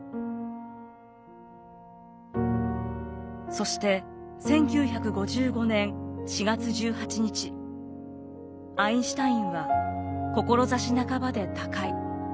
そして１９５５年４月１８日アインシュタインは志半ばで他界。